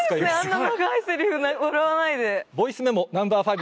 あんな長いセリフ笑わないで。